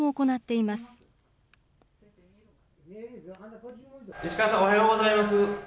いしかわさんおはようございます。